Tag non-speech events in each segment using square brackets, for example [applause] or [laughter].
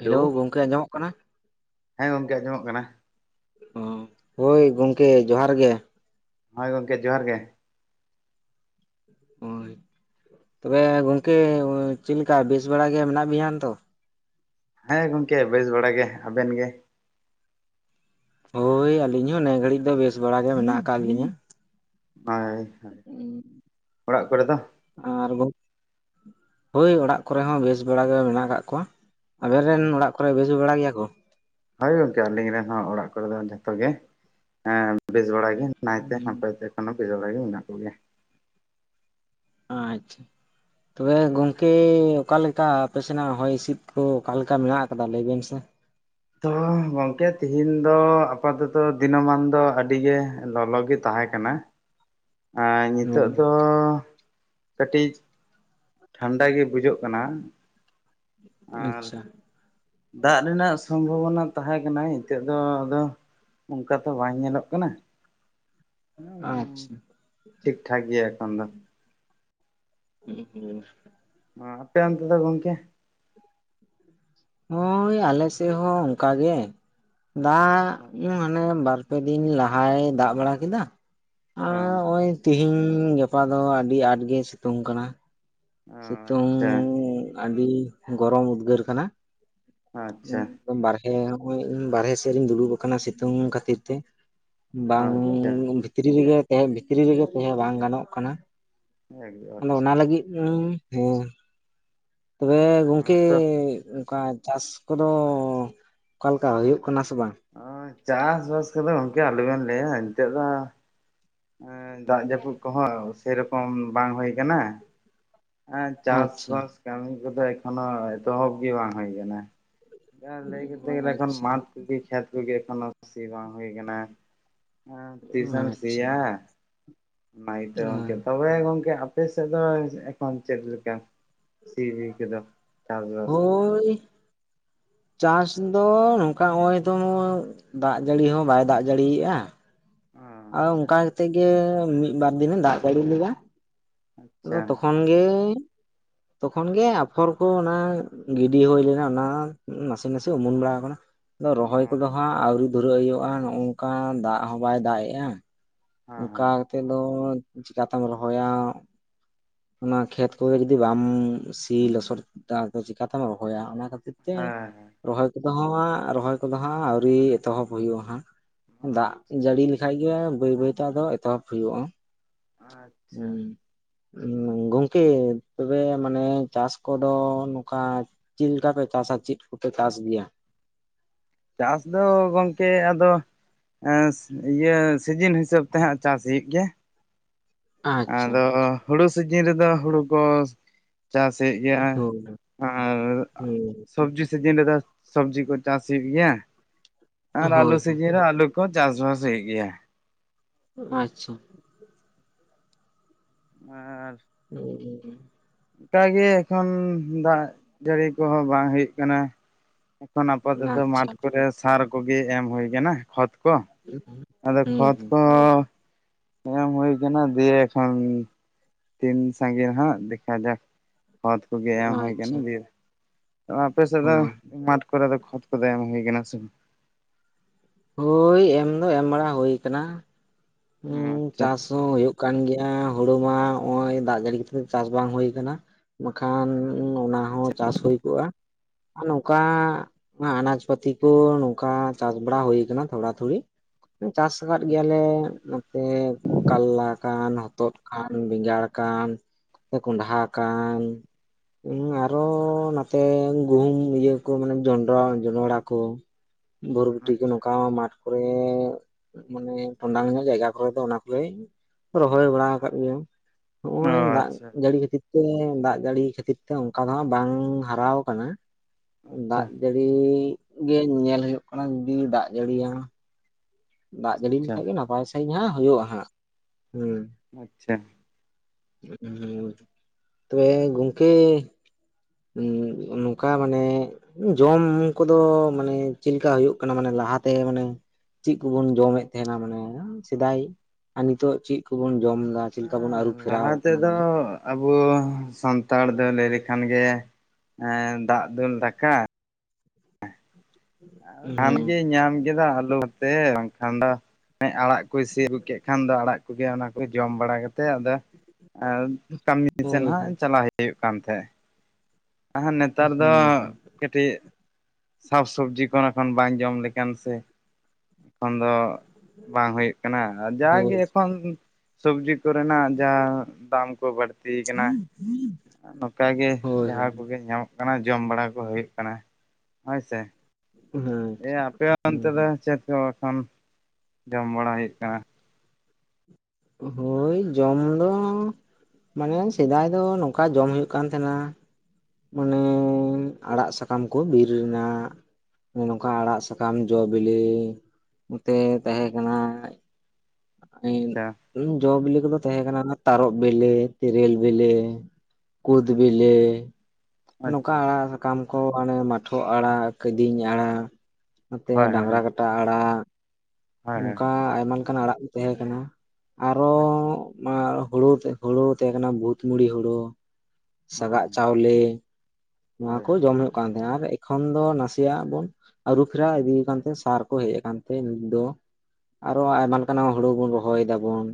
Hello ᱜᱚᱝᱠᱮ ᱟᱸᱡᱚᱢᱚᱜ ᱠᱟᱱᱟ ᱦᱮᱸ ᱜᱚᱝᱠᱮ ᱟᱸᱡᱚᱢᱚᱜ ᱠᱟᱱᱟ ᱚ ᱦᱳᱭ ᱜᱚᱢᱠᱮ ᱡᱚᱦᱟᱨ ᱜᱮ ᱦᱳᱭ ᱜᱚᱢᱠᱮ ᱡᱚᱦᱟᱨ ᱜᱮ ᱱᱚᱜᱼᱭ ᱛᱚᱵᱮ ᱜᱚᱝᱠᱮ ᱪᱮᱫ ᱞᱮᱠᱟ ᱵᱮᱥ ᱵᱟᱲᱟ ᱜᱮ ᱢᱮᱱᱟᱜ ᱢᱮᱭᱟ ᱛᱚ ᱦᱮᱸ ᱜᱚᱢᱠᱮ ᱵᱮᱥ ᱵᱟᱲᱟᱜ ᱜᱮ ᱟᱵᱮᱱ ᱜᱮ ᱦᱳᱭ ᱟᱹᱞᱤᱧ ᱦᱚᱸ ᱱᱤᱭᱟ ᱜᱷᱟᱹᱲᱤᱡ ᱫᱚ ᱵᱮᱥ ᱵᱟᱲᱟ ᱜᱮ ᱢᱮᱱᱟᱜ ᱟᱠᱟᱫ ᱞᱤᱧᱟ ᱦᱳᱭ ᱦᱳᱭ, ᱚᱲᱟᱜ ᱠᱚᱨᱮ ᱫᱚ ᱟᱨ ᱦᱳᱭ ᱚᱲᱟᱜ ᱠᱚᱨᱮ ᱦᱚᱸ ᱵᱮᱥ ᱵᱟᱲᱟ ᱜᱮ ᱢᱮᱱᱟᱜ ᱠᱟᱜ ᱠᱚᱣᱟ ᱟᱵᱮᱱ ᱨᱮᱱ ᱚᱲᱟᱜ ᱠᱚᱨᱮ ᱵᱮᱥ ᱵᱟᱲᱟ ᱜᱮᱭᱟ ᱜᱚ ᱦᱳᱭ ᱜᱚᱝᱠᱮ ᱟᱹᱞᱤᱧ ᱨᱮᱱ ᱦᱚᱸ ᱚᱲᱟᱜ ᱠᱚᱨᱮ ᱫᱚ ᱡᱚᱛᱚ ᱜᱮ ᱦᱮᱸ ᱵᱮᱥ ᱵᱟᱲ ᱜᱮ ᱱᱟᱭᱛᱮ ᱱᱟᱯᱟᱭᱛᱮ ᱮᱠᱷᱚᱱ ᱦᱚᱸ ᱵᱮᱥ ᱵᱟᱲᱟ ᱜᱮ ᱢᱮᱱᱟᱜ ᱞᱮᱭᱟ ᱟᱪᱪᱷᱟ ᱛᱚᱵᱮ ᱜᱚᱝᱠᱮ ᱚᱠᱟᱞᱮᱠᱟ ᱟᱯᱮ ᱥᱮᱱᱟᱜ ᱦᱚᱭ ᱦᱤᱸᱥᱤᱫ ᱠᱚ ᱚᱠᱟᱞᱮᱠᱟ ᱢᱮᱱᱟᱜ ᱟᱠᱟᱫᱟ ᱞᱟᱹᱭ ᱵᱮᱱ ᱥᱮ ᱛᱚ ᱜᱚᱝᱠᱮ ᱛᱤᱦᱤᱧ ᱫᱚ ᱟᱯᱟᱛᱚᱛᱚ ᱫᱤᱱᱟᱹᱢᱟᱱ ᱫᱚ ᱟᱹᱰᱤ ᱜᱮ ᱞᱚᱞᱚᱜ ᱜᱮ ᱛᱟᱦᱮᱸ ᱠᱟᱱᱟ [inaudible] ᱟᱨ ᱱᱤᱛᱚᱜ ᱦᱳᱭ ᱫᱚ ᱠᱟᱹᱴᱤᱡ ᱴᱷᱟᱱᱰᱟ ᱜᱮ ᱵᱩᱡᱟᱹᱜ ᱠᱟᱱᱟ ᱟᱨ ᱟᱪᱪᱷᱟ ᱫᱟᱜ ᱨᱮᱱᱟᱜ ᱥᱚᱢᱵᱷᱚᱵᱚᱱᱟ ᱛᱟᱦᱮᱸ ᱠᱟᱱᱟᱭ ᱱᱤᱛᱚᱜ ᱫᱚ ᱟᱫᱚ ᱚᱱᱠᱟ ᱛᱚ ᱵᱟᱝ ᱧᱮᱞᱚᱜ ᱠᱟᱱᱟ ᱦᱮᱸ ᱟᱪᱪᱷᱟ ᱴᱷᱤᱠ ᱴᱷᱟᱠ ᱜᱮᱭᱟ ᱮᱠᱷᱚᱱ ᱫᱚ ᱸ ᱦᱩᱸ [inaudible] ᱟᱯᱮ ᱚᱱᱛᱮ ᱫᱚ ᱜᱚᱢᱠᱮ ᱦᱳᱭ ᱟᱞᱮ ᱥᱮᱫ ᱦᱚᱸ ᱚᱱᱠᱟ ᱜᱮ ᱫᱟᱜ ᱚ ᱢᱟᱱᱮ ᱵᱟᱨ ᱵᱟᱨᱯᱮ ᱫᱤᱱ ᱞᱟᱦᱟᱭ ᱫᱟᱜ ᱵᱟᱲᱟ ᱠᱮᱫᱟ ᱟᱨ ᱚ ᱱᱚᱜᱼᱚᱭ ᱛᱤᱦᱤᱱ ᱛᱤᱦᱤᱧ ᱜᱟᱯᱟ ᱫᱚ ᱟᱹᱰᱤ ᱟᱸᱴ ᱜᱮ ᱥᱤᱛᱩᱝ ᱠᱟᱱᱟ ᱥᱤᱛᱩᱝ ᱟᱪᱪᱷᱟ ᱟᱹᱰᱤ ᱜᱚᱨᱚᱢ ᱩᱫᱽᱜᱟᱹᱨ ᱠᱟᱱᱟ ᱟᱪᱪᱷᱟ ᱵᱟᱨᱦᱮ ᱦᱮᱸ ᱱᱚᱜᱼᱚᱭ ᱤᱧ ᱵᱟᱨᱨᱮ ᱥᱮᱫ ᱨᱤᱧ ᱫᱩᱲᱩᱵᱽ ᱟᱠᱟᱱᱟ ᱥᱤᱛᱩᱝ ᱠᱷᱟᱹᱛᱤᱨ ᱛᱮ ᱵᱟᱝ ᱟᱪᱪᱷᱟ ᱵᱷᱤᱛᱨᱤ ᱨᱮᱜᱮ ᱛᱟᱦᱮᱸ ᱵᱷᱤᱛᱨᱤ ᱨᱮᱜᱮ ᱛᱟᱦᱮᱸ ᱵᱟᱝ ᱜᱟᱱᱚᱜ ᱠᱟᱱᱟ ᱮᱠᱫᱚᱢ ᱟᱪᱪᱷᱟ ᱚᱱᱟ ᱞᱟᱹᱜᱤᱫ ᱦᱮᱸ ᱛᱚᱵᱮ ᱜᱚᱝᱠᱮ ᱛᱚ ᱚᱱᱠᱟ ᱪᱟᱥ ᱠᱚᱫᱚ ᱚᱠᱟᱞᱮᱠᱟ ᱦᱩᱭᱩᱜ ᱠᱟᱱᱟ ᱥᱮ ᱵᱟᱝ ᱪᱟᱥᱵᱟᱥ ᱠᱚᱫᱚ ᱜᱚᱢᱠᱮ ᱟᱞᱚᱵᱮᱱ ᱞᱟᱹᱭᱟ ᱱᱤᱛᱚᱜ ᱫᱚ ᱫᱟᱜ ᱡᱟᱹᱯᱩᱫ ᱠᱚᱸᱦᱚᱸ ᱥᱮᱨᱚᱠᱚᱢ ᱵᱟᱝ ᱦᱩᱭ ᱟᱠᱟᱱᱟ ᱦᱮᱸ ᱟᱪᱪᱷᱟ ᱪᱟᱥᱵᱟᱥ ᱠᱟᱹᱢᱤ ᱠᱚᱫᱚ ᱮᱠᱷᱚᱱᱳ ᱮᱛᱚᱦᱚᱵ ᱜᱮ ᱵᱟᱝ ᱦᱩᱭ ᱠᱟᱱᱟ ᱢᱤᱫ ᱫᱷᱟᱣ ᱞᱟᱹᱭ ᱠᱚᱛᱮ ᱜᱮᱞᱮ ᱮᱠᱷᱚᱱ ᱟᱪᱪᱷᱟ ᱢᱟᱴ ᱠᱚᱜᱤ ᱠᱷᱮᱛ ᱠᱚᱜᱤ ᱮᱠᱷᱚᱱ ᱥᱤ ᱵᱟᱝ ᱦᱩᱭ ᱠᱟᱱᱟ ᱛᱤᱥᱮᱢ ᱟᱪᱪᱷᱟ ᱥᱤᱭᱟ ᱱᱟᱭ ᱛᱮ ᱜᱚᱢᱠᱮ ᱛᱚᱵᱮ ᱜᱚᱢᱠᱮ ᱟ ᱟᱯᱮ ᱥᱮᱫ ᱫᱚ ᱮᱠᱷᱚᱱ ᱪᱮᱫ ᱞᱮᱠᱟ ᱥᱤ ᱵᱤ ᱠᱚᱫ? ᱦᱳᱭ ᱪᱟᱥ ᱫᱚ ᱱᱚᱝᱠᱟ ᱱᱚᱜ ᱚᱭ ᱛᱚ ᱫᱟᱜ ᱡᱟᱹᱲᱤ ᱦᱚᱸ ᱵᱟᱭ ᱫᱟᱜ ᱡᱟᱹᱲᱤᱭᱟᱜᱼᱟ। ᱚ ᱟᱨ ᱟᱪᱪᱷᱟ ᱚᱱᱠᱟ ᱠᱟᱛᱮᱫ ᱜᱮ ᱢᱤᱫᱵᱟᱨ ᱫᱤᱱᱮ ᱫᱟᱜ ᱡᱟᱹᱲᱤ ᱞᱮᱫᱟ ᱟᱪᱪᱷᱟ ᱛᱚᱠᱷᱚᱱ ᱜᱮ ᱛᱚᱠᱷᱚᱱ ᱜᱮ ᱟᱯᱷᱚᱨ ᱠᱚ ᱚᱱᱟ ᱜᱤᱰᱤ ᱦᱩᱭ ᱞᱮᱱᱟ ᱚᱱᱟ ᱱᱟᱥᱮ ᱱᱟᱥᱮ ᱩᱢᱩᱱ ᱵᱟᱲᱟ ᱟᱠᱟᱱᱟ। ᱟᱫᱚ ᱚ ᱨᱚᱦᱚᱭ ᱦᱮᱸ ᱠᱚᱫᱚ ᱦᱟᱸᱜ ᱟᱹᱣᱨᱤ ᱫᱷᱩᱨᱟᱹᱜ ᱦᱩᱭᱩᱜᱼᱟ ᱱᱚᱝᱠᱟ ᱫᱟᱜ ᱦᱚᱸ ᱵᱟᱭ ᱫᱟᱜ ᱮᱜᱼᱟ ᱦᱮᱸ ᱚᱱᱠᱟ ᱠᱟᱛᱮᱫ ᱫᱚ ᱪᱤᱠᱟᱛᱮᱢ ᱨᱚᱦᱚᱭᱟ। ᱚᱱᱟ ᱠᱷᱮᱛ ᱠᱚᱜᱮ ᱡᱩᱫᱤ ᱵᱟᱢ ᱥᱤ ᱞᱚᱥᱚᱫ ᱫᱟ ᱪᱤᱠᱟᱛᱮᱢ ᱨᱚᱦᱚᱭᱟ ᱚᱱᱟ ᱛᱮ ᱦᱮᱸ ᱦᱮᱸ ᱨᱚᱦᱚᱭ ᱠᱚᱫᱚ ᱦᱟᱸᱜ ᱨᱚᱦᱚᱭ ᱠᱚᱫᱚ ᱦᱟᱸᱜ ᱟᱹᱣᱨᱤ ᱮᱛᱚᱦᱚᱵ ᱦᱩᱭᱩᱜᱼᱟ ᱦᱟᱸᱜ ᱫᱟᱜ ᱟᱪᱪᱷᱟ ᱡᱟᱹᱲᱤ ᱞᱮᱠᱷᱟᱡ ᱜᱮ ᱵᱟᱹᱭ ᱵᱟᱹᱭᱛᱮ ᱟᱫᱚ ᱮᱛᱚᱦᱚᱵ ᱦᱩᱭᱩᱜᱼᱟ ᱟᱪᱪᱷᱟ ᱦᱩᱸ ᱜᱚᱝᱠᱮ ᱛᱚᱵᱮ ᱢᱟᱱᱮ ᱪᱟᱥ ᱠᱚᱫᱚ ᱱᱚᱝᱠᱟ ᱪᱮᱫ ᱞᱮᱠᱟ ᱯᱮ ᱪᱟᱥ? [unintelligible] ᱪᱮᱫ ᱠᱚᱯᱮ ᱪᱟᱥ ᱜᱮᱭᱟ? ᱪᱟᱥ ᱫᱚ ᱜᱚᱢᱠᱮ ᱟᱫᱚ [unintelligible] ᱤᱭᱟᱹ ᱥᱤᱡᱤᱱ ᱦᱤᱥᱟᱹᱵ ᱛᱮ ᱦᱟᱸᱜ ᱪᱟᱥ ᱦᱩᱭᱩᱜ ᱜᱮᱭᱟ। ᱟᱪᱪᱷᱟ ᱟᱫᱚ ᱦᱩᱲᱩ ᱥᱤᱡᱤᱱ ᱨᱮᱫᱚ ᱦᱩᱲᱩ ᱠᱚ ᱪᱟᱥᱮᱜ ᱜᱮᱭᱟ ᱦᱳᱭ ᱟᱨ ᱦᱩᱸ ᱥᱚᱵᱡᱤ ᱥᱤᱡᱤᱱ ᱨᱮᱫᱚ ᱥᱚᱵᱡᱤ ᱠᱚ ᱪᱟᱥ ᱜᱮᱭᱟ ᱟᱨ ᱦᱳᱭ ᱟᱹᱞᱩ ᱦᱳᱭ ᱥᱤᱡᱤᱱ ᱨᱮ ᱟᱹᱞᱩ ᱠᱚ ᱪᱟᱥᱵᱟᱥᱮᱜ ᱜᱮᱭᱟ ᱟᱪᱪᱷᱟ ᱟᱨ [unintelligible] ᱚᱱᱠᱟᱜᱮ ᱮᱠᱷᱚᱱ ᱫᱟᱜ ᱡᱟᱹᱲᱤ ᱠᱚᱦᱚᱸ ᱵᱟᱝ ᱦᱩᱭᱩᱜ ᱠᱟᱱᱟ। ᱠᱷᱚᱱ ᱟᱯᱟᱛᱚᱛᱚ ᱟᱪᱪᱷᱟ ᱢᱟᱴᱷ ᱠᱚᱨᱮ ᱥᱟᱨ ᱠᱚᱜᱮ ᱮᱢ ᱦᱩᱭ ᱠᱟᱱᱟ ᱠᱷᱚᱛ ᱠᱚ ᱟᱫᱚ ᱦᱩᱸ ᱠᱷᱚᱛ ᱦᱩᱸ ᱠᱚ ᱮᱢ ᱦᱩᱭ ᱠᱟᱱᱟ ᱫᱤᱭᱮ ᱮᱠᱷᱚᱱ ᱛᱤᱱ ᱥᱟᱹᱜᱤᱧ ᱦᱟᱸᱜ ᱫᱮᱠᱷᱟ ᱡᱟᱠ ᱠᱷᱚᱛ ᱠᱚᱜᱮ ᱮᱢ ᱦᱩᱭ ᱠᱟᱱᱟ ᱟᱪᱪᱷᱟ ᱫᱤᱭᱮ ᱟᱯᱮ ᱥᱮᱫ ᱫᱚ ᱦᱳᱭ ᱢᱟᱴᱷ ᱠᱚᱨᱮ ᱫᱚ ᱠᱷᱚᱛ ᱠᱚᱫᱚ ᱮᱢ ᱦᱩᱭ ᱠᱟᱱᱟ ᱥᱮ ᱦᱳᱭ ᱮᱢ ᱫᱚ ᱮᱢ ᱵᱟᱲᱟ ᱦᱳᱭ ᱠᱟᱱᱟ ᱵᱟᱝ ᱦᱸ ᱟᱪᱪᱷᱟ ᱪᱟᱥ ᱦᱚᱸ ᱦᱳᱭᱳᱜ ᱠᱟᱱ ᱜᱮᱭᱟ। ᱮ ᱦᱳᱲᱳ ᱢᱟ ᱱᱚᱜ ᱚᱭ ᱫᱟᱜ ᱡᱟᱹᱲᱤ ᱠᱷᱟᱸᱛᱤᱨ ᱪᱟᱥ ᱵᱟᱝ ᱦᱩᱭ ᱠᱟᱱᱟ ᱵᱟᱠᱷᱟᱱ ᱩ ᱚᱱᱟ ᱦᱚᱸ ᱪᱟᱥ ᱦᱳᱭ ᱠᱚᱜᱼᱟ। ᱟᱨ ᱱᱚᱝᱠᱟ ᱟᱱᱟᱡ ᱯᱟᱹᱛᱤ ᱠᱚ ᱱᱚᱝᱠᱟ ᱪᱟᱥ ᱵᱟᱲᱟ ᱦᱳᱭ ᱠᱟᱱᱟ ᱛᱷᱚᱲᱟ ᱛᱷᱚᱲᱤ ᱪᱟᱥ ᱟᱠᱟᱫ ᱜᱮᱭᱟᱞᱮ ᱟᱪᱪᱷᱟ ᱱᱚᱛᱮ ᱠᱟᱞᱞᱟ ᱠᱟᱱ ᱦᱚᱛᱚᱫ ᱠᱟᱱ ᱵᱮᱸᱜᱟᱲ ᱠᱟᱱ [unintelligible] ᱠᱚᱸᱰᱷᱟ ᱠᱟᱱ ᱦᱸ ᱟᱨᱚ ᱱᱟᱛᱮ ᱜᱩᱦᱩᱢ ᱤᱭᱟᱹ ᱠᱚ ᱢᱟᱱᱮ ᱡᱚᱱᱰᱨᱟ ᱡᱚᱸᱰᱲᱟ ᱠᱚ ᱵᱚᱨᱵᱚᱴᱤ ᱠᱚ ᱱᱚ ᱟᱪᱪᱷᱟ ᱢᱟᱴᱷ ᱠᱚᱨᱮ ᱢᱟᱱᱮ ᱴᱚᱸᱰᱟᱝ ᱧᱚᱜ ᱡᱟᱭᱜᱟ ᱠᱚᱨᱮ ᱫᱚ ᱚᱱᱟ ᱠᱚᱨᱮ ᱨᱚᱦᱚᱭ ᱵᱟᱲᱟ ᱟᱠᱟᱫ ᱜᱮᱭᱟ ᱱᱚᱜ ᱚ ᱚᱭ ᱫᱟᱜ ᱟᱪᱪᱷᱟ ᱡᱟᱹᱲᱤ ᱠᱷᱟᱹᱛᱤᱨ [unintelligible] ᱫᱟᱜ ᱡᱟᱹᱲᱤ ᱠᱷᱟᱹᱛᱤᱨ ᱛᱮ ᱚᱱᱠᱟ ᱫᱚ ᱵᱟᱝ ᱦᱟᱨᱟᱣ ᱠᱟᱱᱟ। ᱟᱪᱪᱷᱟ ᱫᱟᱜ ᱡᱟᱹᱲᱤ ᱜᱮ ᱧᱮᱞ ᱦᱩᱭᱩᱜ ᱠᱟᱱᱟ ᱡᱩᱫᱤ ᱫᱟᱜ ᱡᱟᱹᱲᱤᱭᱟ ᱫᱟᱜ ᱡᱟᱹᱲᱤ ᱟᱪᱪᱷᱟ ᱞᱮᱠᱷᱟᱡ ᱜᱮ ᱱᱟᱯᱟᱭ ᱥᱟᱺᱦᱤᱡ ᱦᱟᱸᱜ ᱦᱩᱭᱩᱜᱼᱟ ᱦᱟᱸᱜ ᱦᱩ ᱟᱪᱪᱷᱟ [unintelligible] ᱛᱚᱵᱮ ᱜᱚᱢᱠᱮ [unintelligible] ᱱᱚᱝᱠᱟ ᱢᱟᱱᱮ ᱡᱚᱢ ᱠᱚᱫᱚ ᱢᱟᱱᱮ ᱪᱮᱫ ᱞᱮᱠᱟ ᱦᱩᱭᱩᱜ ᱠᱟᱱᱟ ᱢᱟᱱᱮ ᱞᱟᱦᱟᱛᱮ ᱢᱟᱱᱮ ᱪᱮᱫ ᱠᱚᱵᱚᱱ ᱡᱚᱢᱮᱫ ᱛᱟᱦᱮᱱᱟ ᱢᱟᱱᱮ ᱥᱮᱫᱟᱭ ᱟᱨ ᱱᱤᱛᱚᱜ ᱪᱮᱫ ᱠᱚᱵᱚᱱ ᱡᱚᱢ ᱮᱫᱟ ᱪᱮᱫ ᱞᱮᱠᱟ ᱦᱮ ᱵᱚᱱ ᱟᱹᱨᱩ ᱯᱷᱮᱨᱟᱣ ᱞᱟᱦᱟ ᱟᱠᱟᱱᱟ ᱛᱮᱫᱚ ᱢᱟᱱᱮ ᱟᱵᱚ ᱥᱟᱱᱛᱟᱲ ᱫᱚ ᱞᱟᱹᱭ [unintelligible] ᱮ ᱠᱷᱟᱱ ᱜᱮ ᱮ ᱫᱟᱜ ᱫᱩᱞ ᱫᱟᱠᱟ ᱫᱷᱟᱱ ᱦᱩᱸ ᱜᱮ ᱧᱟᱢ ᱠᱮᱫᱟ ᱟᱹᱞᱩ ᱵᱷᱟᱛᱮ ᱵᱟᱝᱠᱷᱟᱱ ᱫᱚ ᱟᱲᱟᱜ ᱠᱚ ᱥᱤ ᱟᱹᱜᱩ ᱠᱮᱫ ᱠᱷᱟᱱ ᱫᱚ ᱟᱲᱟᱜ ᱠᱚᱜᱮ ᱚᱱᱟ ᱠᱚ ᱡᱚᱢ ᱵᱟᱲᱟ ᱠᱟᱛᱮᱫ ᱟᱫᱚ ᱟᱨ ᱠᱟᱹᱢᱤ ᱥᱮᱫ ᱦᱳᱭ ᱦᱳᱭ ᱦᱟᱸᱜ ᱪᱟᱞᱟᱜ ᱦᱩᱭᱩᱜ ᱠᱟᱱ ᱛᱟᱦᱮᱸᱫ ᱦᱟ ᱱᱮᱛᱟᱨ ᱫᱚ ᱦᱩᱸ ᱦᱩᱸ ᱠᱟᱹᱴᱤᱡ ᱥᱟᱠᱼᱥᱚᱵᱽᱡᱤ ᱠᱚ [unintelligible] ᱵᱟᱧ ᱡᱚᱢ ᱞᱮᱠᱷᱟᱱ ᱥᱮ ᱮᱠᱷᱚᱱ ᱫᱚ ᱵᱟᱝ ᱦᱩᱭᱩᱜ ᱠᱟᱱᱟ ᱡᱟᱜᱮ ᱦᱳᱭ ᱮᱠᱷᱚᱱ ᱥᱚᱵᱡᱤ ᱠᱚᱨᱮᱱᱟᱜ ᱡᱟᱦᱟᱸ ᱫᱟᱢ ᱠᱚ ᱵᱟᱹᱲᱛᱤ ᱠᱟᱱᱟ ᱱᱚᱝᱠᱟ ᱜᱮ ᱦᱳᱭ ᱦᱳᱭ ᱡᱟᱦᱟᱸ ᱠᱚᱜᱮ ᱧᱟᱢᱚᱜ ᱠᱟᱱᱟ ᱡᱚᱢ ᱵᱟᱲᱟ ᱠᱚ ᱦᱩᱭᱩᱜ ᱠᱟᱱᱟ ᱦᱳᱭ ᱥᱮ [unintelligible] ᱟᱯᱮ ᱚᱱᱛᱮ ᱫᱚ ᱦᱮᱸ ᱪᱮᱫ ᱠᱚ ᱮᱠᱷᱚᱱ ᱡᱚᱢ ᱵᱟᱲᱟ ᱦᱩᱭᱩᱜ ᱠᱟᱱᱟ? ᱦᱳᱭ ᱡᱚᱢ ᱫᱚ ᱢᱟᱱᱮ ᱥᱮᱫᱟᱭ ᱫᱚ ᱱᱚᱝᱠᱟ ᱡᱚᱢ ᱦᱩᱭᱩᱜ ᱠᱟᱱ ᱛᱟᱦᱮᱸᱱᱟ ᱢᱟᱱᱮ ᱟᱲᱟᱜ ᱥᱟᱠᱟᱢ ᱠᱚ ᱵᱤᱨ ᱨᱮᱱᱟᱜ ᱱᱚᱝᱠᱟ ᱟᱲᱟᱜ ᱥᱟᱠᱟᱢ ᱡᱚ ᱵᱮᱞᱮ ᱱᱚᱛᱮ ᱛᱟᱦᱮᱸ ᱠᱟᱱᱟ ᱟᱪᱪᱷᱟ ᱡᱚ ᱵᱮᱞᱮ ᱠᱚᱫᱚ ᱛᱟᱦᱮᱸ ᱠᱟᱱᱟ ᱛᱟᱨᱚᱵ ᱵᱮᱞᱮ ᱛᱮᱨᱮᱞ ᱵᱮᱞᱮ ᱠᱳᱫ ᱵᱮᱞᱮ ᱟᱪᱪᱷᱟ ᱱᱚᱝᱠᱟ ᱟᱪᱪᱷᱟ ᱟᱲᱟᱜ ᱥᱟᱠᱟᱢ ᱠᱚ ᱟᱱᱮ ᱢᱟᱴᱷᱚ ᱟᱲᱟᱜ ᱠᱟᱹᱫᱤᱧ ᱟᱲᱟᱜ ᱱᱚᱛᱮ ᱦᱳᱭ ᱦᱳᱭ ᱰᱟᱝᱨᱟ ᱠᱟᱴᱟ ᱟᱲᱟᱜ ᱦᱳᱭ ᱦᱳᱭ ᱱᱚᱝᱠᱟ ᱟᱭᱢᱟ ᱞᱮᱠᱟᱱᱟᱜ ᱟᱲᱟᱜ ᱠᱚ ᱛᱟᱦᱮᱸ ᱠᱟᱱᱟ ᱟᱪᱪᱷᱟ ᱦᱳᱲᱩ ᱦᱩᱲᱳ ᱛᱮᱦᱮᱸ ᱠᱟᱱᱟ ᱵᱷᱩᱛ ᱢᱩᱲᱤ ᱦᱳᱲᱳ ᱥᱟᱜᱟᱹᱜ ᱦᱳᱭ ᱪᱟᱣᱞᱮ ᱱᱚᱶᱟ ᱦᱳᱭ ᱠᱚ ᱡᱚᱢ ᱦᱩᱭᱩᱜ ᱠᱟᱱ ᱛᱟᱦᱮᱸᱱᱟ ᱟᱨ ᱮᱠᱷᱚᱱ ᱫᱚ ᱱᱟᱥᱮᱭᱟᱜ ᱵᱚᱱ ᱟᱹᱨᱩᱯᱷᱮᱨᱟᱣ ᱤᱫᱤ ᱠᱟᱱᱛᱮ ᱥᱟᱨ ᱠᱚ ᱦᱮᱡ ᱟᱠᱟᱱ ᱛᱮᱸ ᱱᱤᱛ ᱫᱚ ᱟᱨᱚ ᱟᱭᱢᱟ ᱞᱮᱠᱟᱱᱟᱜ ᱦᱩᱲᱩ ᱵᱩᱱ ᱨᱚᱦᱚᱭ ᱫᱟᱵᱚᱱ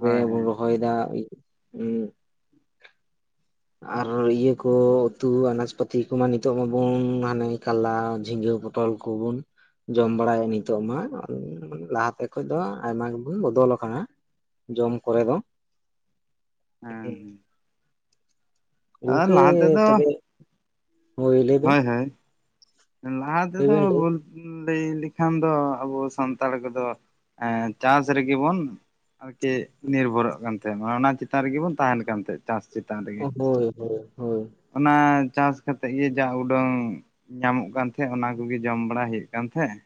ᱦᱳᱭ ᱦᱳᱭ ᱦᱮᱸ ᱨᱚᱦᱚᱭ [unintelligible] ᱦᱩᱸ ᱟᱨ ᱤᱭᱟᱹ ᱠᱚ ᱩᱛᱩ ᱟᱱᱟᱡᱯᱟᱹᱛᱤ ᱠᱚ ᱱᱤᱛᱚᱜ ᱢᱟᱵᱚᱱ ᱦᱟᱱᱮ ᱠᱟᱞᱞᱟ ᱡᱷᱤᱸᱜᱟᱹ ᱯᱚᱴᱚᱞ ᱠᱚᱵᱚᱱ ᱡᱚᱢ ᱵᱟᱲᱟᱭᱮᱫ ᱱᱤᱛᱚᱜ ᱢᱟ ᱞᱟᱦᱟᱛᱮ ᱠᱷᱚᱱ ᱫᱚ ᱟᱭᱢᱟ ᱜᱮᱵᱚᱱ ᱵᱚᱫᱚᱞ ᱟᱠᱟᱱᱟ ᱡᱚᱢ ᱠᱚᱨᱮ ᱫᱚ ᱦᱮᱸ ᱦᱮᱸ ᱜᱚᱝᱠᱮ ᱛᱚᱵᱮ ᱦᱳᱭ ᱞᱮᱭᱵᱮᱱ? ᱞᱟᱦᱟᱛᱮ ᱛᱚ ᱵᱚ [inaudible] ᱞᱟᱹᱭ ᱞᱮᱠᱷᱟᱱ ᱫᱚ ᱟᱵᱚ ᱥᱟᱱᱛᱟᱲ ᱠᱚᱫᱚ ᱪᱟᱥ ᱨᱮᱜᱮ ᱵᱚᱱ ᱟᱨᱠᱤ ᱱᱤᱨᱵᱷᱚᱨᱚᱜ ᱠᱟᱱ ᱛᱟᱦᱮᱸᱱᱟ ᱚᱱᱟ ᱪᱮᱛᱟᱱ ᱨᱮᱜᱮ ᱵᱚᱱ ᱛᱟᱦᱮᱱ ᱠᱟᱱ ᱛᱟᱦᱮᱸᱫ ᱪᱟᱥ ᱪᱮᱛᱟᱱ ᱨᱮᱜᱮ᱾ ᱦᱳᱭ ᱦᱳᱭ ᱦᱳᱭ ᱚᱱᱟ ᱪᱟᱥ ᱠᱟᱛᱮᱜ ᱜᱮ ᱡᱟ ᱩᱰᱟᱹᱝ ᱧᱟᱢᱚᱜ ᱠᱟᱱ ᱛᱟᱦᱮᱸᱜ ᱚᱱᱟ ᱠᱚᱜᱮ ᱡᱚᱢ ᱵᱟᱲᱟ ᱦᱩᱭᱩᱜ ᱠᱟᱱ ᱛᱟᱦᱮᱸᱜ᱾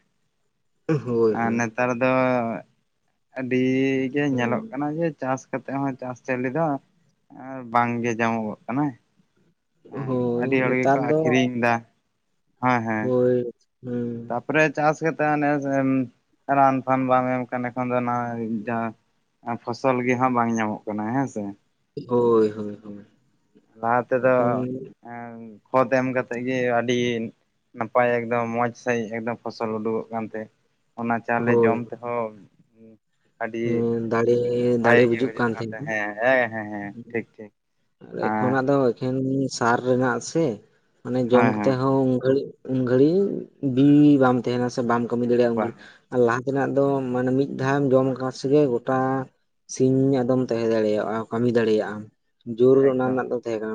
ᱦᱳᱭ ᱟᱨ ᱱᱮᱛᱟᱨ ᱫᱚ [unintelligible] ᱜᱮ ᱧᱮᱞᱚᱜ ᱦᱳᱭ ᱠᱟᱱᱟ ᱡᱮ ᱪᱟᱥ ᱠᱟᱛᱮᱫ ᱦᱚᱸ ᱪᱟᱥᱼ ᱪᱮᱞᱤᱫᱚ ᱵᱟᱝᱜᱮ ᱧᱟᱢᱚᱜᱚᱜ ᱠᱟᱱᱟᱭ᱾ ᱦᱮᱸ ᱦᱳᱭ ᱟᱹᱰᱤ ᱦᱚᱲ ᱜᱮᱠᱚ ᱱᱮᱛᱟᱨ ᱫᱚ ᱟᱠᱷᱨᱤᱧᱫᱟ ᱾ ᱦᱮᱸ ᱦᱮᱸ ᱦᱳᱭ ᱦᱩᱸ ᱛᱟ ᱯᱚᱨᱮ ᱪᱟᱥ ᱠᱟᱛᱮ ᱱᱮᱥ ᱮᱢ ᱨᱟᱱ ᱯᱷᱟᱱ ᱵᱟᱢ ᱮᱢ ᱠᱷᱟᱱ ᱮᱠᱷᱚᱱ ᱫᱚ ᱱᱟᱸᱭ ᱡᱟᱦᱟᱸ ᱯᱷᱚᱥᱚᱞ ᱜᱮᱦᱟᱸᱜ ᱵᱟᱝ ᱧᱟᱢᱚᱜ ᱠᱟᱱᱟ ᱦᱮᱸ ᱥᱮ ᱦᱳᱭ ᱦᱳᱭ ᱦᱳᱭ ᱞᱟᱦᱟ ᱛᱮᱫᱚ ᱮᱠᱷᱚᱱ ᱠᱷᱚᱛ ᱮᱢ ᱠᱟᱛᱮᱜ ᱜᱮ ᱟᱹᱰᱤ ᱱᱟᱯᱟᱭ ᱮᱠᱫᱚᱢ ᱢᱚᱸᱡᱽ ᱥᱟᱺᱦᱤᱡ ᱮᱠᱚᱫᱚᱢ ᱯᱷᱚᱥᱚᱞ ᱩᱰᱩᱠᱚᱜ ᱠᱟᱱ ᱛᱮ ᱚᱱᱟ ᱪᱟᱣᱞᱮ ᱦᱳᱭ ᱡᱚᱢ ᱛᱮᱦᱚᱸ ᱟᱹᱰᱤ ᱦᱮᱸ ᱫᱟᱲᱮ ᱫᱟᱲᱮ ᱵᱷᱟᱹᱜᱮ ᱜᱮ ᱵᱩᱡᱩᱜ ᱵᱩᱡᱷᱟᱹᱜ ᱠᱟᱱ ᱛᱟᱦᱮᱸ ᱛᱟᱦᱮᱸᱱᱟ ᱦᱮᱸ ᱦᱮᱸ ᱦᱮᱸ ᱦᱮᱸ ᱴᱷᱤᱠ ᱴᱷᱤᱠ ᱚᱱᱟᱹ ᱫᱚ ᱮᱠᱷᱚᱱ ᱜᱤ ᱥᱟᱨ ᱨᱮᱱᱟᱜ ᱥᱮ ᱢᱟᱱᱮ ᱡᱚᱢ ᱦᱮᱸ ᱠᱟᱛᱮ ᱦᱮᱸ ᱦᱚᱸ ᱩᱝ ᱜᱷᱟᱹᱲᱤᱡ ᱩᱱ ᱜᱷᱟᱹᱲᱤᱡ ᱵᱤ ᱵᱟᱢ ᱛᱟᱦᱮᱱᱟ ᱥᱮ ᱵᱟᱢ ᱠᱟᱹᱢᱤ ᱫᱟᱲᱮᱭᱟᱜᱼᱟ ᱩᱱ ᱜᱷᱟᱹᱲᱤ ᱵᱟᱝ ᱟᱨ ᱞᱟᱦᱟ ᱛᱮᱱᱟᱜ ᱫᱚ ᱢᱟᱱᱮ ᱢᱤᱫ ᱫᱷᱟᱣᱮᱢ ᱡᱚᱢ ᱞᱮᱠᱷᱟᱹᱱ ᱥᱮᱜᱮ ᱜᱚᱴᱟ ᱥᱤᱧ ᱟᱫᱚᱢ ᱛᱟᱦᱮᱸ ᱫᱟᱲᱮᱭᱟᱜᱼᱟ ᱠᱟᱹᱢᱤ ᱫᱟᱲᱮᱭᱟᱜᱼᱟᱢ ᱡᱳᱨ ᱦᱚ ᱚᱱᱟ ᱮᱠᱫᱚᱢ ᱨᱮᱱᱟᱜ ᱫᱚ ᱛᱟᱦᱮᱸ ᱠᱟᱱᱟ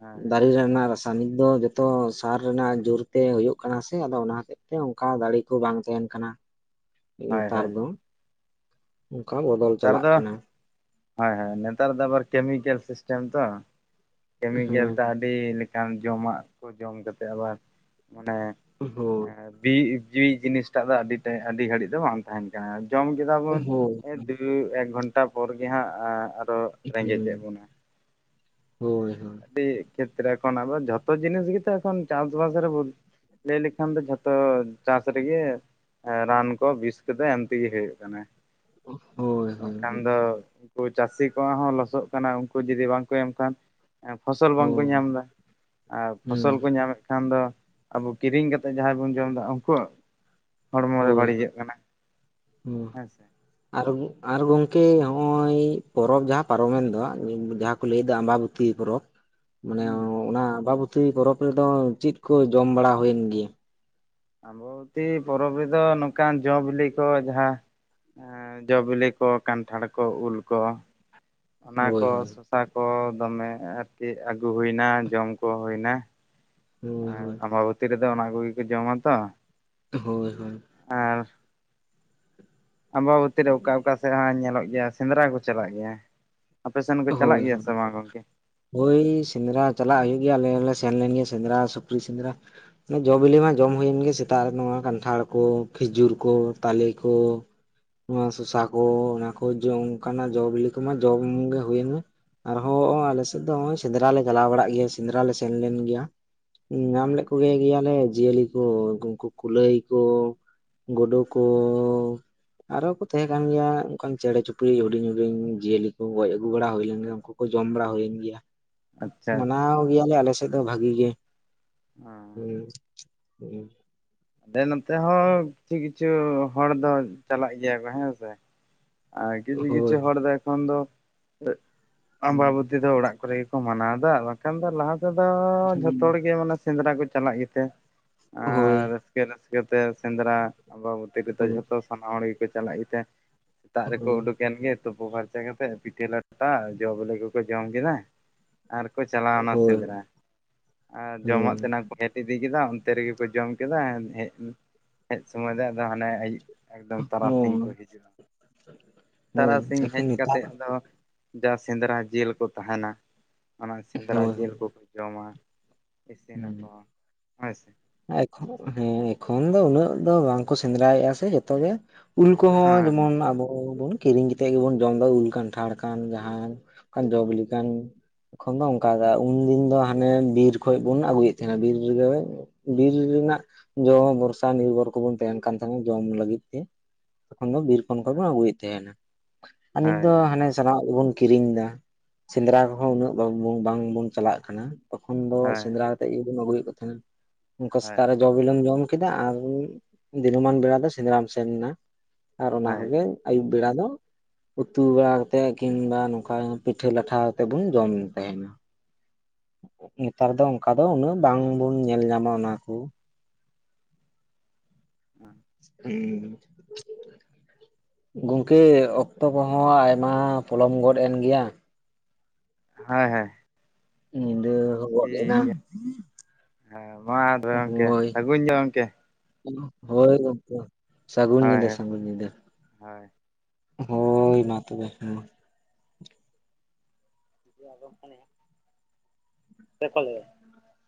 ᱦᱮᱸ ᱦᱮᱸ ᱫᱟᱨᱮ ᱨᱮᱱᱟᱜ ᱨᱟᱥ ᱟᱨ ᱱᱤᱛᱽ ᱫᱚ ᱡᱚᱛᱚ ᱥᱟᱨ ᱨᱮᱱᱟᱜ ᱡᱳᱨ ᱛᱮ ᱦᱳᱭᱳᱜ ᱠᱟᱱᱟ ᱥᱮ ᱟᱫᱚ ᱚᱱᱟ ᱦᱚᱛᱮᱡ ᱛᱮ ᱚᱱᱠᱟ ᱫᱟᱲᱮ ᱠᱚ ᱵᱟᱝ ᱛᱟᱦᱮᱱ ᱠᱟᱱᱟ ᱦᱳᱭ ᱱᱮᱛᱟᱨ ᱦᱳᱭ ᱫᱚ ᱚᱱᱠᱟ ᱵᱚᱫᱚᱞ ᱱᱮᱛᱟᱨ ᱪᱟᱞᱟᱜ ᱫᱚ ᱠᱟᱱᱟ ᱦᱳᱭ ᱦᱳᱸ ᱱᱮᱛᱟᱨ ᱫᱚ ᱟᱵᱟᱨ ᱠᱮᱢᱤᱠᱮᱞ ᱥᱤᱥᱴᱮᱢ ᱛᱚ ᱠᱮᱢᱤᱠᱮᱞ ᱛᱮ ᱦᱮᱸ ᱟᱹᱰᱤ ᱡᱚᱢᱟᱜ ᱠᱚ ᱡᱚᱢ ᱠᱟᱛᱮ ᱟᱵᱟᱨ ᱢᱟᱱᱮ ᱦᱳᱭ ᱵᱤ ᱵᱤ ᱡᱤᱱᱤᱥᱴᱟᱜ ᱫᱚ ᱟᱹᱰᱤ ᱴᱟᱹᱭ ᱟᱹᱰᱤ ᱜᱷᱟᱹᱲᱤᱡ ᱫᱚ ᱵᱟᱢ ᱛᱟᱦᱮᱱ ᱠᱟᱱᱟ ᱡᱚᱢ ᱠᱮᱫᱟ ᱦᱳᱭ ᱵᱚᱱ ᱮᱫ ᱮᱠ ᱜᱷᱚᱱᱴᱟ ᱯᱚᱨ ᱜᱮ ᱦᱟᱸᱜ ᱟᱨᱚ ᱨᱮᱸᱜᱮᱡᱮᱫ ᱵᱚᱱᱟ ᱦᱳᱭ ᱦᱳᱭ ᱟᱹᱰᱤ ᱠᱷᱮᱛᱨᱮ ᱠᱷᱚᱱ ᱟᱫᱳ ᱡᱷᱚᱛᱚ ᱡᱤᱱᱤᱥ ᱜᱮᱛᱚ ᱮᱠᱷᱚᱱ ᱪᱟᱥ ᱵᱟᱥ ᱨᱮ ᱞᱟᱹᱭ ᱞᱮᱠᱷᱟᱱ ᱫᱚ ᱡᱷᱚᱛᱚ ᱪᱟᱥ ᱨᱮᱜᱮ ᱨᱟᱱ ᱠᱚ ᱵᱤᱥ ᱠᱚᱫᱚ ᱮᱢ ᱛᱮᱜᱮ ᱦᱩᱭᱩᱜ ᱠᱟᱱᱟ ᱦᱳᱭ ᱵᱟᱝᱠᱷᱟᱱ ᱦᱳᱭ ᱫᱚ ᱩᱱᱠᱩ ᱪᱟᱹᱥᱤ ᱠᱚᱣᱟᱜ ᱦᱚᱸ ᱞᱚᱥᱚᱜ ᱠᱟᱱᱟ ᱩᱱᱠᱩ ᱡᱩᱫᱤ ᱵᱟᱝᱠᱚ ᱮᱢ ᱠᱷᱟᱱ ᱯᱷᱚᱥᱚᱞ ᱵᱟᱝᱠᱚ ᱦᱳᱭ ᱧᱟᱢᱫᱟ ᱟᱨ ᱯᱷᱚᱥᱚᱞ ᱠᱚ ᱦᱩᱸ ᱧᱟᱢᱮᱫ ᱠᱷᱟᱱ ᱫᱚ ᱟᱵᱚ ᱠᱤᱨᱤᱧ ᱠᱟᱛᱮᱫ ᱡᱟᱦᱟᱸᱭ ᱵᱚᱱ ᱡᱚᱢᱫᱟ ᱩᱱᱠᱩ ᱦᱚᱲᱢᱚ ᱨᱮ ᱵᱟᱹᱲᱤᱡᱚᱜ ᱠᱟᱱᱟ ᱦᱚᱸ ᱦᱮᱸ ᱥᱮ ᱟᱨ ᱟᱨ ᱜᱚᱝᱠᱮ ᱱᱚᱜᱼᱚᱭ ᱯᱚᱨᱚᱵᱽ ᱡᱟᱦᱟᱸ ᱯᱟᱨᱚᱢᱮᱱ ᱫᱚ ᱡᱟᱦᱟᱸ ᱠᱚ ᱞᱟᱹᱭᱫᱟ ᱟᱢᱵᱟᱵᱚᱛᱤ ᱯᱚᱨᱚᱵᱽ ᱢᱟᱱᱮ ᱦᱩᱸ ᱚᱱᱟ ᱟᱢᱵᱟ ᱵᱚᱛᱤ ᱯᱚᱨᱚᱵᱽ ᱨᱮᱫᱚ ᱪᱮᱫ ᱠᱚ ᱡᱚᱢ ᱵᱟᱲᱟ ᱦᱩᱭᱮᱱ ᱜᱮᱭᱟ ᱟᱢᱵᱚᱛᱤ ᱯᱚᱨᱚᱵᱽ ᱨᱮᱫᱚ ᱱᱚᱝᱠᱟᱱ ᱡᱚᱼ ᱵᱤᱞᱤ ᱠᱚ ᱡᱟᱦᱟᱸ ᱡᱚ ᱵᱤᱞᱤ ᱠᱚ ᱠᱟᱱᱴᱷᱟᱲ ᱠᱚ ᱩᱞ ᱠᱚ ᱚᱱᱟ ᱦᱳᱭ ᱠᱚ ᱦᱳᱭ ᱥᱚᱥᱟ ᱠᱚ ᱫᱚᱢᱮ ᱟᱨᱠᱤ ᱟᱹᱜᱩ ᱦᱩᱭᱱᱟ ᱡᱚᱢ ᱠᱚ ᱦᱩᱭᱱᱟ ᱦᱳᱭ ᱟᱨ ᱦᱳᱭ ᱟᱢᱵᱟᱵᱚᱛᱤ ᱨᱮᱫᱚ ᱟᱫᱚ ᱚᱱᱟ ᱠᱚᱜᱮ ᱠᱚ ᱡᱚᱢᱟ ᱛᱚ ᱦᱳᱭ ᱦᱳᱭ ᱟᱨ ᱟᱢᱵᱟᱵᱚᱛᱤ ᱨᱮ ᱚᱠᱟ ᱚᱠᱟ ᱥᱮᱫ ᱦᱚᱸ ᱧᱮᱞᱚᱜ ᱜᱮᱭᱟ ᱥᱮᱸᱫᱽᱨᱟ ᱠᱚ ᱪᱟᱞᱟᱜ ᱜᱮᱭᱟ ᱟᱯᱮ ᱥᱮᱱ ᱠᱚ ᱦᱳᱭ ᱪᱟᱞᱟᱜ ᱜᱮᱭᱟ ᱥᱮ ᱦᱳᱭ ᱵᱟᱝ ᱜᱚᱝᱠᱮ ᱦᱳᱭ ᱥᱮᱸᱫᱽᱨᱟ ᱪᱟᱞᱟᱜ ᱦᱩᱭᱩᱜ ᱜᱮᱭᱟ ᱟᱞᱮ ᱥᱮᱱ ᱞᱮᱱ ᱥᱮᱸᱫᱽᱨᱟ ᱥᱩᱠᱨᱤ ᱥᱮᱸᱫᱽᱨᱟ ᱡᱚ ᱵᱤᱞᱤ ᱢᱟ ᱡᱚᱢ ᱦᱩᱭᱮᱱ ᱜᱮ ᱥᱮᱛᱟᱜ ᱨᱮ ᱠᱟᱱᱴᱷᱟᱲ ᱠᱚ ᱠᱷᱮᱡᱩᱨ ᱠᱚ ᱛᱟᱞᱮ ᱠᱚ ᱱᱚᱣᱟ ᱥᱚᱥᱚ ᱠᱚ ᱚᱱᱟ ᱠᱚ ᱚᱱᱠᱟᱱᱟᱜ ᱡᱚᱵᱤᱞᱤ ᱠᱚᱢᱟ ᱡᱚᱢ ᱜᱮ ᱦᱩᱭᱮᱱ ᱢᱮ ᱟᱨᱦᱚᱸ ᱱᱚ ᱟᱞᱮᱥᱮᱫ ᱫᱚ ᱱᱚᱜᱼᱚᱭ ᱥᱮᱸᱫᱽᱨᱟ ᱞᱮ ᱪᱟᱞᱟᱣ ᱵᱟᱲᱟᱜ ᱜᱮᱭᱟ ᱥᱮᱸᱫᱽᱨᱟ ᱞᱮ ᱥᱮᱱ ᱞᱮᱱ ᱜᱮᱭᱟ ᱧᱟᱢ ᱞᱮᱫ ᱠᱚᱜᱮ ᱜᱮᱭᱟᱞᱮ ᱡᱤᱭᱟᱹᱞᱤ ᱠᱚ ᱩᱱᱠᱩ ᱠᱩᱞᱟᱹᱭ ᱠᱚ ᱜᱩᱰᱩ ᱠᱚ ᱟᱨᱦᱚ ᱠᱚ ᱛᱟᱦᱮᱸ ᱠᱟᱱ ᱜᱮᱭᱟ ᱚᱱᱠᱟᱱ ᱪᱮᱬᱮ ᱪᱩᱯᱲᱤ ᱦᱩᱰᱤᱧ ᱦᱩᱰᱤᱧ ᱡᱤᱭᱟᱹᱞᱤ ᱠᱚ ᱜᱚᱡᱜᱩᱭᱟ ᱦᱩᱭ ᱞᱮᱱ ᱜᱮᱭᱟ ᱩᱱᱠᱩ ᱠᱚ ᱡᱚᱢ ᱵᱟᱲᱟ ᱦᱩᱭᱮᱱ ᱜᱮᱭᱟ ᱟᱪᱪᱷᱟ ᱟᱪᱪᱷᱟ ᱢᱟᱱᱟᱣ ᱜᱮᱭᱟᱞ ᱟᱞ ᱥᱮᱫ ᱫᱚ ᱵᱷᱟᱜᱤ ᱜᱮ ᱦᱚᱸ᱾ ᱦᱮᱸ ᱦᱮᱸ ᱫᱮ ᱱᱚᱛᱮ ᱦᱚᱸ ᱠᱤᱪᱷᱩ ᱠᱤᱪᱷᱩ ᱦᱚᱲ ᱫᱚ ᱪᱟᱞᱟᱜ ᱜᱮᱭᱟ ᱠᱚ ᱦᱮᱸ ᱥᱮ ᱟᱨ ᱠᱤᱪᱷᱩ ᱠᱤᱪᱷᱩ ᱦᱳᱭ ᱦᱚᱲ ᱫᱚ ᱮᱠᱷᱚᱱ ᱫᱚ ᱟᱢᱵᱟᱵᱚᱛᱤ ᱫᱚ ᱚᱲᱟᱜ ᱠᱚᱨᱮ ᱠᱚ ᱢᱟᱱᱟᱣᱫᱟ ᱵᱟᱠᱷᱟᱱ ᱫᱚ ᱞᱟᱦᱟ ᱛᱮᱫᱚ ᱡᱷᱚᱛᱚ ᱦᱚᱲ ᱜᱮ ᱢᱟᱱᱮ ᱥᱮᱸᱫᱽᱨᱟ ᱠᱚ ᱪᱟᱞᱟᱜ ᱜᱮᱛᱮ ᱦᱳᱭ ᱪᱤᱠᱟᱹᱛᱮ ᱥᱮᱸᱫᱽᱨᱟ ᱟᱵᱚᱛᱤ ᱨᱮᱫᱚ ᱦᱳᱭ ᱡᱷᱚᱛᱚ ᱥᱟᱱᱟᱢ ᱦᱚᱲ ᱜᱮᱠᱚ ᱪᱟᱞᱟᱜ ᱜᱮᱛᱮ ᱫᱟᱜ ᱨᱮᱠᱚ ᱦᱳᱭ ᱩᱰᱩᱠ ᱮᱮᱱ ᱜᱮ ᱛᱩᱯᱩ ᱯᱷᱟᱨᱪᱟ ᱠᱟᱛᱮᱫ ᱯᱤᱴᱷᱟᱹ ᱞᱮ ᱞᱟᱴᱟᱜᱼᱟ ᱡᱚᱼ ᱵᱤᱞᱤ ᱠᱚᱠᱚ ᱡᱚᱢ ᱠᱮᱫᱟ ᱟᱨ ᱠᱚ ᱦᱩᱸ ᱦᱳᱭ ᱪᱟᱞᱟᱣᱮᱱᱟ ᱦᱳᱭ ᱥᱮᱸᱫᱽᱨᱟ ᱟᱨ ᱡᱚᱢᱟᱜ ᱦᱩᱸ ᱛᱮᱱᱟᱜ ᱠᱚ ᱜᱷᱮᱸᱴ ᱤᱫᱤ ᱠᱮᱫᱟ ᱚᱱᱛᱮ ᱨᱮᱜᱮ ᱠᱚ ᱡᱚᱢ ᱠᱮᱫᱟ ᱦᱮᱡ ᱥᱚᱢᱚᱭ ᱫᱚ ᱟᱫᱚ ᱦᱟᱱᱮ ᱟᱹᱭᱩᱵ ᱮᱠᱫᱚᱢ ᱛᱟᱨᱟᱥᱤᱧ ᱦᱚᱸ ᱠᱚ ᱦᱤᱡᱩᱜᱼᱟ ᱦᱳᱭ ᱛᱟᱨᱟᱥᱤᱧ ᱮᱠᱷᱚᱱ ᱦᱮᱡ ᱱᱮᱛᱟᱨ ᱠᱟᱛᱮᱫ ᱟᱫᱚ ᱡᱟ ᱥᱮᱸᱫᱽᱨᱟ ᱡᱤᱞ ᱠᱚ ᱛᱟᱦᱮᱸᱱᱟ ᱚᱱᱟ ᱥᱮᱸᱫᱽᱨᱟ ᱡᱤᱞ ᱠᱚᱠᱚ ᱡᱚᱢᱟ ᱤᱥᱤᱱᱟᱠᱚ ᱦᱮᱸ ᱦᱳᱭ ᱥᱮ ᱦᱮᱸ ᱮᱠᱷᱚᱱ ᱫᱚ ᱩᱱᱟᱹᱜ ᱫᱚ ᱵᱟᱝᱠᱚ ᱥᱮᱸᱫᱽᱨᱟᱭᱮᱫᱼᱟ ᱥᱮ ᱡᱚᱛᱚ ᱜᱮ ᱩᱞ ᱠᱚᱦᱚᱸ ᱦᱳᱭ ᱡᱮᱢᱚᱱ ᱟᱵᱚ ᱠᱤᱨᱤᱧ ᱠᱟᱛᱮᱫ ᱜᱮᱵᱚᱱ ᱡᱚᱢ ᱮᱫᱟ ᱩᱞ ᱠᱟᱱᱴᱷᱟᱲ ᱠᱟᱱ ᱡᱟᱦᱟᱸ ᱡᱚᱵᱤᱞᱤ ᱠᱟᱱ ᱮᱠᱷᱚᱱ ᱫᱚ ᱚᱱᱠᱟ ᱩᱱᱫᱤᱱ ᱫᱚ ᱦᱟᱱᱮ ᱵᱤᱨ ᱠᱷᱚᱡ ᱵᱚᱱ ᱟᱹᱜᱩᱭᱮᱫ ᱛᱟᱦᱮᱸᱱᱟ ᱵᱤᱨ ᱨᱮᱫᱚ ᱵᱤᱨ ᱨᱮᱱᱟᱜ ᱡᱚᱢ ᱵᱚᱨᱥᱟ ᱱᱤᱨᱵᱷᱚᱨ ᱠᱚᱵᱚᱱ ᱛᱟᱦᱮᱱ ᱠᱟᱱ ᱛᱟᱦᱮᱸ ᱡᱚᱢ ᱞᱟᱹᱜᱤᱫ ᱛᱮ᱾ ᱛᱚᱠᱷᱚᱱ ᱫᱚ ᱵᱤᱨ ᱠᱷᱚᱱ ᱠᱷᱚᱱ ᱵᱚᱱ ᱟᱹᱜᱩᱭᱮᱫ ᱛᱟᱸᱦᱮᱱᱟ ᱟᱨ ᱱᱤᱛ ᱫᱚ ᱦᱳᱭ ᱦᱳᱭ ᱦᱳᱭ ᱦᱟᱱᱮ ᱥᱟᱱᱟᱢᱟᱜ ᱜᱮᱵᱚᱱ ᱠᱤᱨᱤᱧ ᱮᱫᱟ᱾ ᱥᱮᱸᱫᱽᱨᱟ ᱠᱚᱦᱚᱸ ᱩᱱᱟᱹᱜ ᱵᱟᱝᱵᱚᱱ ᱪᱟᱞᱟᱜ ᱠᱟᱱᱟ ᱛᱚᱠᱷᱚᱱ ᱫᱚ ᱦᱳᱭ ᱥᱮᱸᱫᱽᱨᱟ ᱠᱟᱛᱮᱜ ᱜᱮᱵᱚᱱ ᱟᱜᱩ ᱚᱱᱠᱟ ᱥᱮᱛᱟᱜ ᱨᱮ ᱡᱚ ᱵᱤᱞᱚᱢ ᱡᱚᱢ ᱠᱮᱫᱟ ᱟᱨ ᱫᱤᱱᱩᱢᱟᱱ ᱵᱮᱲᱟ ᱫᱚ ᱥᱮᱸᱫᱽᱨᱟᱢ ᱥᱮᱱ ᱮᱱᱟ ᱟᱨ ᱚᱱᱟ ᱦᱳᱭ ᱠᱚᱜᱮ ᱟᱹᱩᱵ ᱵᱮ ᱯᱮᱲᱟ ᱫᱚ ᱩᱛᱩ ᱵᱟᱲᱟ ᱠᱟᱛᱮᱫ ᱠᱤᱝᱵᱟ ᱱᱚᱝᱠᱟ ᱯᱤᱴᱷᱟᱹ ᱞᱟᱴᱷᱟ ᱠᱟᱛᱮᱫ ᱵᱚᱱ ᱡᱚᱢ ᱛᱟᱸᱱᱟ᱾ ᱱᱮᱛᱟᱨ ᱫᱚ ᱚᱱᱠᱟ ᱫᱚ ᱩᱱᱟᱹᱜ ᱵᱟᱝᱵᱚᱱ ᱧᱮᱞ ᱧᱟᱢᱟ ᱚᱱᱟ ᱠᱚ᱾ ᱦᱮᱸ ᱜᱚᱢᱠᱮ ᱚᱠᱛᱚ ᱠᱚᱦᱚᱸ ᱟᱭᱢᱟ ᱯᱚᱞᱚᱢ ᱜᱚᱫ ᱮᱱ ᱜᱮᱭᱟ᱾ ᱦᱮᱸ ᱦᱮᱸ ᱦᱮᱸ ᱦᱮᱸ ᱢᱟ ᱛᱚᱵᱮ [unintelligible] ᱜᱚᱢᱠᱮ ᱦᱳᱭ ᱥᱟᱹᱜᱩᱱ ᱜᱮ ᱜᱚᱢᱠᱮ ᱦᱳᱭ ᱜᱚᱝᱠᱮ ᱥᱟᱹᱜᱩᱱ ᱦᱳᱭ ᱧᱤᱫᱟᱹ ᱥᱟᱹᱜᱩᱱ ᱧᱤᱫᱟᱹ᱾ ᱦᱳᱭ ᱦᱳᱭ ᱢᱟ ᱛᱚᱵᱮ ᱦᱮᱸ [inaudible] [unintelligible]